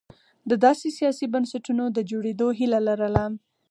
د داسې سیاسي بنسټونو د جوړېدو هیله لرله.